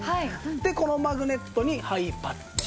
でこのマグネットにはいパッチンと。